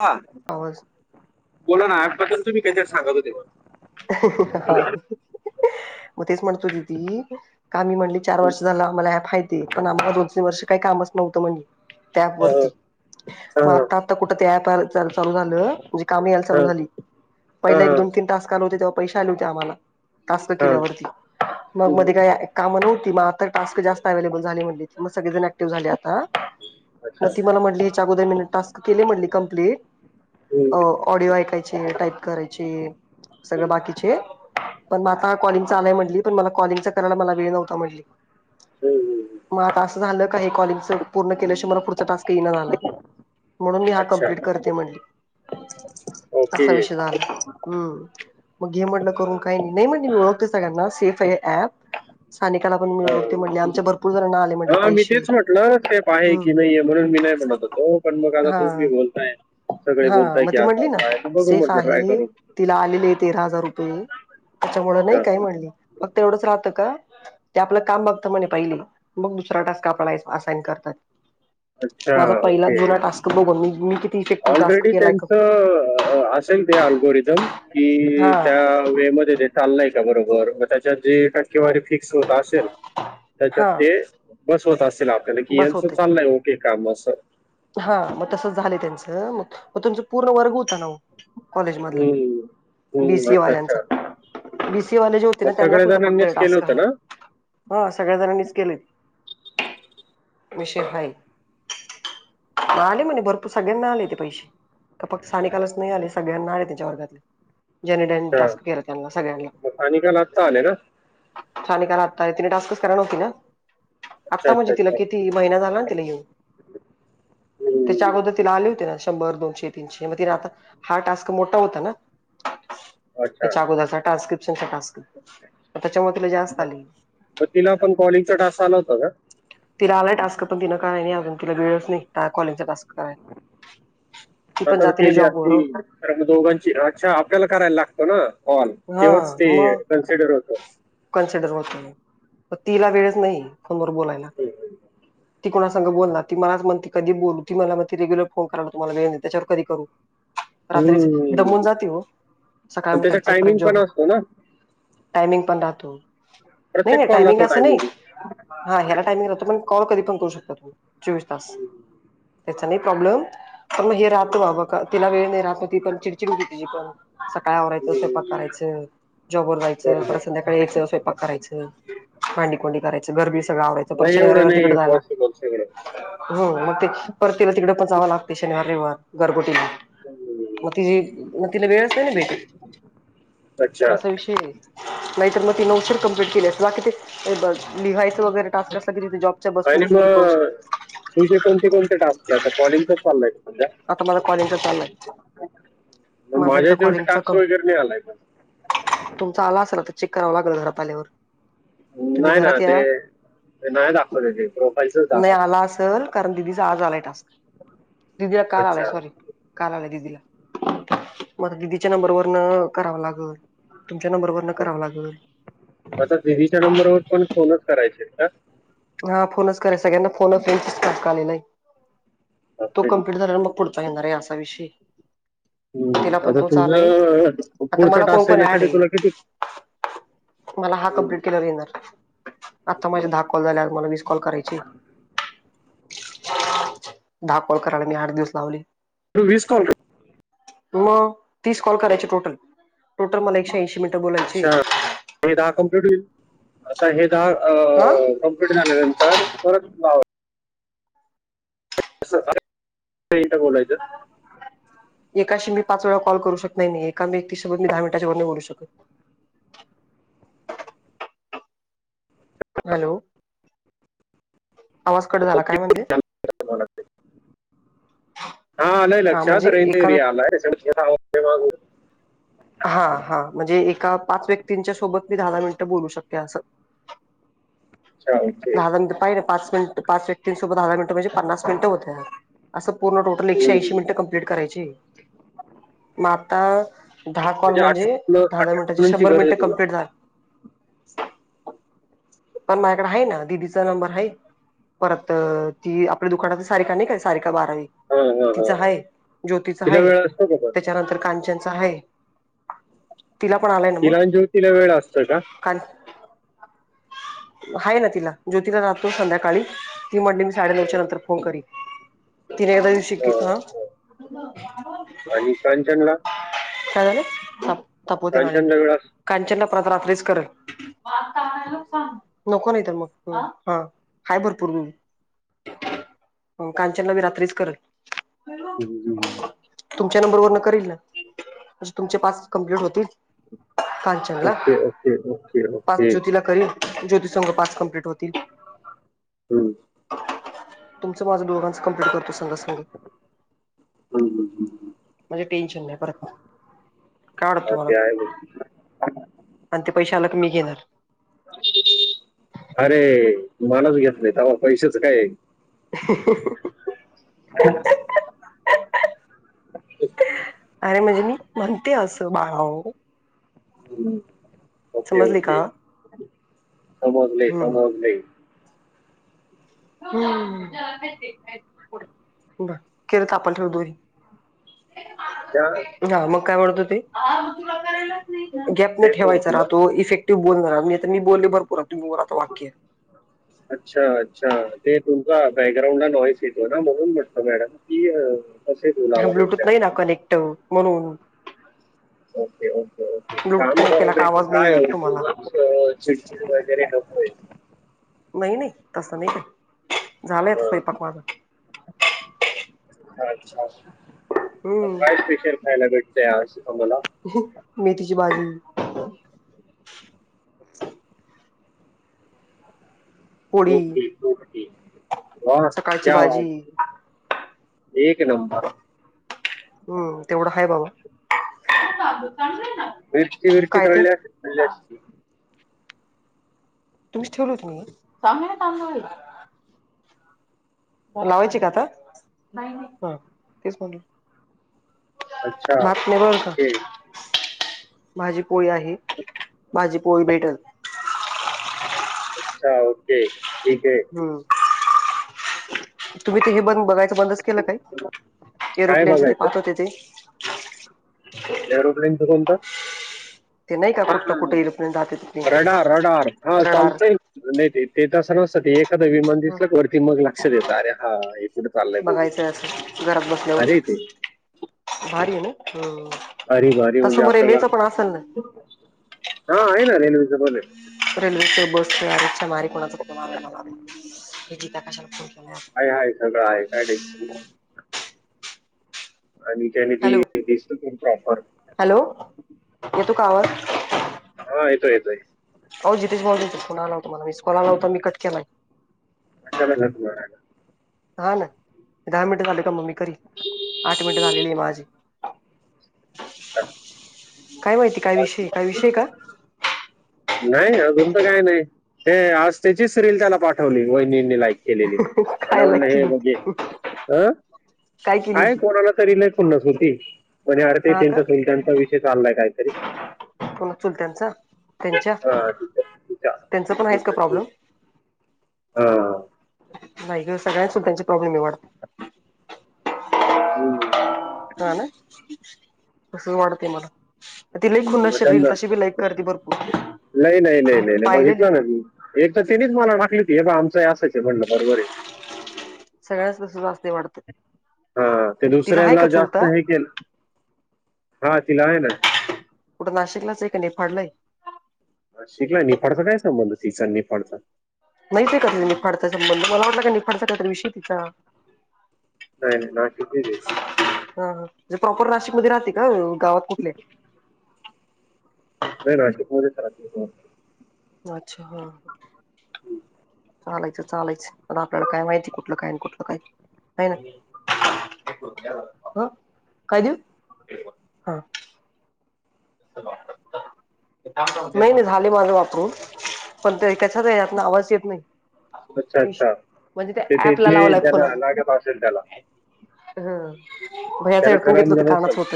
हा होस बोला ना आठजपर्ंतु म्ही त्याहीच्यात सांगतोव. हा म ते तेच म्हणतो ददी काम्ही म्हणली चार वर्ष झालं आम्हाला ह फातीे पण आ्हा दोन तीन वर्ष काही कामचवतं म्हणले. त्याप अह, वरती मग अह, आत्ता आता कुठं ते प काम चालु झाल म्हणजे काम यायला चालू अह, झाली पहिला एक अह, दोन तीन टास्क काल होते तेव्हा पैसे आले होते आम्हाला टास्क अह, केल्यावरती. मग मध्ये काय काम नव्हती मग आता टास्क जास्त अवेलेबल झाले म्हणलीती मग सगळे झन ॲ टिव झाली आता. म अच्छा ती मला म्हटली येच्या अगोदर मी टास्क केले म्हणली कंप्लीट अ हम्म, ऑडिओ ऐकायचे टाईप करायचे. सगळं बाकीचे. पण म आता कॉलिंग च आलाय म्हटली पण मला कॉलिंग चा करायला मला वेळ नव्हता म्हटली. हम्म हम्म. मग आता अस झालं काही कॉलिंगचं पूर्ण केल्या शिवाय मला पुढचा टास्क ती म्हणालं म्हणून मी हा अच्छा कम्प्लीट करते म्हणली. ओके. असा विषय झाला हम्म मग हे म्हटलं करून काही नाही नाही म्हणे मी ओळखते सगळ्यांना सेफ ये ऍप. सानिकाला पण मी ह ओळखते म्हणली आमच्या भरपूर जणांना आले म्हटले ह मी पैसे तेच म्हटलं टेप आहे हम्म की नाहीय म्हणून मी नाही म्हणत होत हो पण मग हा आता. [unintelligible] हा बोलताय मग की ती असं म्हटली ना असं आहे तर बघू सेफ म्हटलं आहे ट्राय करू तिला आलेलेत तेरा हजार रुपये त्याच्यामुळ नाही काई अच्छा म्हणली फक्त एवढंच राहतं का ते आपलं काम बघत म्हणे पहिले मग दुसरा टास्क आपण आयस असाइन करतात. अच्छा माझा पहिला ओके जुना टास्क बघुन मी मी किती इफेक्टिव टास्क ऑलरेडी केलाय का त्यांचं अह, असेल ते अल्गोरिदम की हा त्या वे मध्ये ते चालय का बरोबर न त्याच्यात जे टक्केवारी फिक्स होत ता असेल त्याच्यात हा ते बसवत असतील आपल्याला कि बस यांच होते चाललंय ते काम असं. हा मग तसंच झाले त्यांचं मग म तुमच पूर्ण वर्ग होता नाहो कॉलेजमधला. हम्म हम्म अच्छा अच्छा. बी सी ए वाले जे होते ना मग त्यांनाच सगळ्या होता फक्त हे जणांनीच केलं टास्क. होतं ना हा सगळ्या जणांनीच केले विषय हाय. आले म्हणे भरपूर सगळ्यांना आले ते पैसे का फक्त सानिकालच नाही आले सगळ्यांना आले त्यांच्या वर्गातले. ज्यानी ड्यानी अच्छा टास्क केलं त्यांना सगळ्यांनला. मग अनिकाला आत्ता आले ना सानिकाला आता तिने टास्कस कराय नव्हती ना अच्छा आता अच्छा म्हणजे तिला अच्छा किती महिना झालाना तिला येऊन. हम्म. त्याच्या अगोदर तिला आले होते ना शंभर दोनशे तीनशे मग तिला आता हा टास्क मोठा होता ना. [inaudible] याच्या आगोदचा ट्रान्स्क्रिप्शन चा टास्क त्याच्या मुळे तिला जास्त आले. म तिला पण कॉलिंगचा टास्क आला होता का? तिला आलाय टास्क पण तिनं काय नाही अजून तिला वेळच नाही का -कॉलिंगचा टास्क करायला. ती पण सतत जाते ना केली जॉबवर असती. तर मग दोघांची अच्छा आपल्याला करायला लागतो ना कॉल हा तेव्हाच ते मग कन्सिडर होत. कन्सिडर होतय प तिला वेळच नाहीये फोनवर बोलायला. हम्म ती कोणा सांग बोलणार ती मलाच म्हणते कधी बोलू ती मला म्हणते रेगुलर फोन करायला तुम्हाला वेळ नाही त्याच्यावर कधी करू. रात्रीचे दमून हम्म. जाती हो आणि सकाळी त्याचा उठायचे टायमिंग पण असतो ना टायमिंग पण राहतो नाही प्रत्येक नाही कॉलला टायमिंग तो असं नाही. हा आहे ह्याला टायमिंग राहतो पण कॉल कधी पण करू शकता तुम्ही चोवीस तास. हम्म. त्याचा नाही प्रॉब्लेम पण मग हे राहतं बाबा तिला वेळ नाही राहत ती पण चिडचिडती होते तिची पण. सकाळ आवरायचं स्वयंपाक हम्म. करायचं जॉब वर जायचं परत बरोबर संध्याकाळी यायचं स्वयंपाक करायचं. भांडीकुंडी करायचं घरबीर सगळं आवरायचं परत नाही शनिवार एवढं रविवार तिकडे नाही जाव लाग पॉसिबल सगळं [unintelligible] हो मग ते परत ते तिला तिकडे पण जावं लागते शनिवार रविवार गरगुटीला. हम्म. म तिची म तिला वेळच नाही ना भेटत. अच्छा असा विषय आहे,, नाहीतर मग तीन ऊशीर कमप्लीट केली असती,, बाकी ते बघऽ लिहायचं वगैरे टास्क असल कि ति ते जॉबच्या बसू आणि बसून ती करू मग शकत्या. तुझे कोणते कोणते टास्क आहे, आता कॉलिंगच चाललंयऽ आता मला कॉलिंगचा चाललाय. म माझा माझ्या एकदा हच्यावर कॉलिंगचा टाक्स कम वगैरे नाही आलाय का? तुमचा आला असल आता, चेक करावं लागेल घरात आल्यावर. तुम्ही नाही ना घरात ते,, या नाही दाखवतेय ते,, प्रोफाईलचच दाखवतऽ ल कारण दिदीचा आज आलाय टास्क, दिदीला काल आलाय अच्छा सॉरी. हं. काल आलाय दिदीला, म आता दिदीच्या नंबर वरन करावं लागल. तुमच्या नंबरवरन करावं लागल. म आता दिदीच्या नंबरवर पण फोनच करायचे का? हा, फोनच कराय, सगळ्यांना फोन अ फ्रेंड चाच टास्क आलेलाय. तो आपले. कंप्लिट झाल्यावर मग पुढचा येणार आहे, असा विषयऽ हम्म,, आता तुझं आता पुढचा मला कोण टास्क कोण ऍड येण्यासाठी तुला आहे कितीऽ मला हा कंप्लीट केल्यावर एणार, आता माझे हम्म. धाऽ कॉल झालेत, अजुन मला विस कॉल करायचेत. दहा कोल करायला मी आठ दिवस लावले. तु विस कॉल ऽ मग, तीस कॉल करायची टोटल, टोटल मला एकशे ऐंशी मिनट बोलायचेय. अच्छा हे दहा कंप्लीट होईल, आता हे दहाऽ आं,, कंप्लीट झाल्यानंतर परतऽ अरेटा बोलायचं. एकाशी मी पाच वेळा कॉल करू शकत नाही, एका व्यतिसोबत मी दहा मिनिटाच्या वर नाही बोलू शकत. हॅलो, आवाज कट झाला, काय म्हटले? हा, आलंय हा लक्षात, म्हणजे रेंज एका व्यक् एरिया आलाय. ते वाज. हा हा, म्हजे, एका पाच व्यक्तींच्या सोबत मी दहा, दहा मिनिटं बोलू शकते असं. [inaudible] दहा मिनट पाच पाचट पाच व्यक्ती संग दहा, दहा मिनट म्हणजे पन्नास मिनट होत्यात. असं पूर्ण टोटल एकशे ऐंशी हम्म. मिनिटं कंप्लीट करायचीय, मग आताऽ दहा कॉल म्हणजे, अठरा दहा दहा अठरा मिनटची मुलांची शंभर गरज आहे मिनटे तुला कंप्लीट झाऽ पण मा्झ्याकड आहे ना, दिदीचा नंबर आहे. परत, ती आपल्या दुकानात सारिका नाही काय, सारिका बारावीऽ हा, हा, हा, तिचा हा. हाय, ज्योतीच तिला हाय, वेळ असतो का पण त्याच्यानंतर कांचनचा हाय. तिला पण आलाय ना मग, तिला आणि ज्योतीला वेळ असतो का काणऽ आहे ना तिला, ज्योतीला राहतो संध्याकाळी, ती म्हटली मी हा, साडेनऊच्या नंतर फोन करीनऽ तिने एकदासऽ हा, काय हा. आणि कांचनला झालंय? तपवते नाला एक, कांचनला वेळ असतो कांचन ना प्रत रात्रीच करलऽ सांग मग नको नाही तर मग हा हाय भरपूर हो कांचनका मी रात्रीच करल हम्म. होयव तुमच्या नंबर वर न करील तुमचे पाच कंप्लीट होतील काल म्हणलं ओके ओके ओके पाच ओके ज्योतीला करील ज्योती संघ पाच कम्प्लीट होतील. हम्म, तुमचं माझं दोघांचं कमप्लीट करतो संग संग. हम्म, हम्म. म्हणजे टेन्शन नाही परत,, काय वाटत तुमाला? हॅलो, आणि ते पैसे आला का मी घेणार. अरे, घेतलय, थांबा, त्हा पैशाच कायय? [unintelligible] [unintelligible] [unintelligible] [unintelligible] अरे म्हणजे मी म्हणते असं बाळा ओ हम्म समजली ओके-ओके का हम्म समजले-समोजले. हम्म [unintelligible] किर थापल ठेव दोरी त्या [unintelligible] हा मग काय म्हणतो ते हा मंग तुला करेलच. गॅप न तेच ठेवायचचा म्हटलं राहतो इफेक्टिव्ह बोलना नाही तर मी बोलले भरपूर बोलले तुम्ही बोला आता वाक्य. [unintelligible] अच्छा-अच्छा ते तुमचा बॅकग्राऊंडला नॉईस येतो ना म्हणून म्हटत मॅडम की अ हा ब्लूटूथ नाही ना कनेक्ट म्हणून. ओके-ओके-ओके ब्लूटूथ काम कनेक्ट कर केला का नाही तर आवाज काय येत तुम्हाला उगाच चिडचिड वगैरे नकोय. नाही-नाही तसं नाही काही झालाय आता हां. स्वयंपाक माझा. अच्छा हम्म काय स्पेशल खायला भेटतंय आज आम्हाला. [unintelligible] मेथीची भाजी. [unintelligible] पोळी ओके ओके वा सकाळची क्या वा भाजी. एक नंबर. हम्म तेवढा हाय बाबा. मिरची मिरची काय ते तळली असती तर खाल्ली असती. तुम्हीच तुम्हीच ठेवल होत ना हे चांगले तांदुळ आहे. ओ लावायची का आता नाही-नाही ह तेच म्हण [unintelligible] भात नाही बरका. ओके माझी पोळी आहे माझी पोळी भेटल. अच्छा ओके ठीक आहे. हम्म तुम्ही तिघे बंद बघाय बंदच केलं काही काय एरोप्लेनच ते बघायचं पाहत होते तेे. एरोप्लेन कोणत? ते नाही का कुठलं कुठे एरोप्लेन जाते तिथे रडार-रडार हा रडार चालतय. नाही ते ते तस नसतं ते एक एखाद्य विमान दिसलं वरती मग लक्ष देत अरे हा हे कुठं चालय बघू. बघायचं घरात भारी आहे बसल्यावर ते भारी आहे ना ह. अर भरी म्हणजे आपल्याला हा आहे ना रेल्वेच बर रेल्वेच बसच आरच्या मारी कोणाचा फोन आलाय मला हे हित कशाला फोन केला मला काय आहेय सगळं आहे काय टेन्शन नाही आणि त्याने हॅलो तेी दिसतो त्यांची ऑफर हॅलो येतो का आवाज हा येतोय येतोय हो जितेश मोला होता मला विस्कॉलावता मी क केलाय मशाला घला हा ना दहा मिनट झाले का मम्मी करी आठ मिनट झालेली आहे माझी काय माहिती काय विषय काय विषय का? नाही अजून तर काय नाही ते आज त्याचीच रीलील त्याला पाठवली वहिनींनी लायक केलेले त्याला काय म्हणलं लाईक हे केली होती म्हणजे अ काय केली आहे होती कोणाला तरी खुन्नस होती म्हण अर्थ हा का त्यांचा सुलताचा विषय चाललाय काही तरी कोणा चुलत्यांचा त्यांच्या हा, तिच्या- तिच्या. त्यांच पण आहेच का प्रॉब्लेम. हा बाई ग सगळ्या सुट्ट्यांचे प्रॉब्लेम वाटतं हम् ह. हा ना कस वाढते मला ति लेक ह नशीर रल धनगर तशी बी लाईक करते भरपूर लय लय लय लय लय पाहिलेली बघितलं ना मी एक तर त्यानीच मला टाखली ती हे बा आमचं हे असायच म्हणलं बरोबर आहे. सगळ्याच तस जास्त वाटतं. हा ते तिला आहे दुसऱ्याला का जास्त चुलता हे केलं हा तिला आहे ना. कुठं नाशिकलाच एक का नाही फाडलंय. शिकला निफाडचा काय संबंध तिच निफाडता. नाहीत आहे का त निफाडचा संबंध मला वाटला का निफाडचा काहीत विषय तिचा नाही नाही ना किध देे. हाे प्रॉपर नाशिकमध्येध्ये राहते का गावात कुठले? नाही ना. अच्छा हा ह. चालायचं चालायच आता आपल्याला काय माहितीय कुठलं काय कुठलं काय काय ना. ह काय देऊ हा. नाही नाही झाले माझ वापरून पण ते एकाच्यातत ना आवाज येत नाही. अच्छा अच्छा म्हणजे त्या ते ते ऍप ला जे लावलाय त्याला फोनने लागत असेल त्याला ह भयाच त्याला हडकून घेतलं होत करमलं कानाच नसेल होत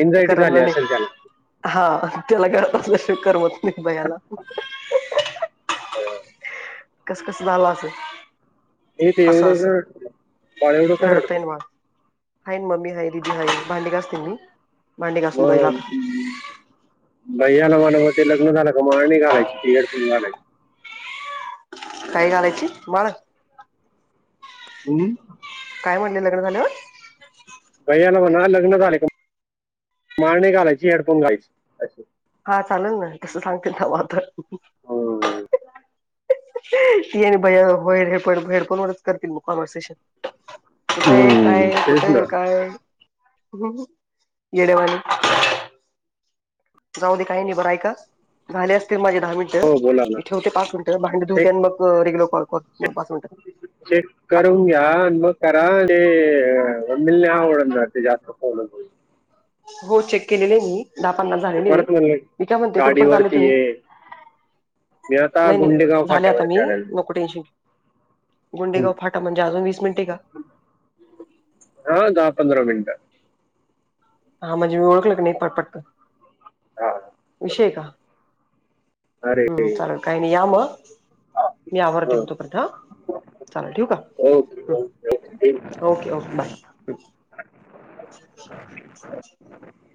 एन्झायटी झाली करमलाने असेल त्याला हा त्याला घरातातलं शे करमत म भयाला कसं कसं झालं असं. हे ते असं एवढं का बाळ एवढं असं का रड रडते तनवाद हा मम्मी हय रीदी हा भांडी घासतील मी भांडी घासून जाईला मग आता भैयाला म्हनव ते लग्न झालं का माणी घालायची ते हेडफून घालायची. काही घालायची मला हम्. काय म्हणले लग्न झाल्यावर गैयाला म्हणा लग्न झाले का मारणी घालायची हेडफोन घालायची असशी. हा चालेल ना तसं सांगतील ना म तर हम्म. ती आहे भया हो हे प हेडपोन वच करतील मग कॉम्हर्सेशन कुठ आहे हम्म. काय कुठे तेच ना आहे काय गेडेवाली जाऊ दे काही नाही बरय का झाले असतील माझे दहा मिनट. हो बोला ना इथे होते पाच मिनिट भांडध होते चेक आणि मग रेग्युलर कॉॉ पाच मिनिट चेक करून घे. हन मग कराली मम नाही आवडणार जातण हो चेक केलेले आहे मी दहा पन्नास ते झालेले आहे परत म्हणले मी काय म्हणते कुठ पण चालय गाडीवरती तुम्ही? ये मी आता नाही नाही गुंडेगाव झाले आता फाट्यावरती मी आलेलो नको टेन्शन घे. गुंडेगा फाटेल म्हणजे अजून वीस मिनटे काय? हा दहा पधरा मनिट हा म्हणजे मी ओळखलं नाही पटपट हो. विषय आहे काय अरे हम् चालेल काही नाही या मग मी आवारते हो तोपयंत चालेल ठीक ओके आहे. Okay okay okay bye.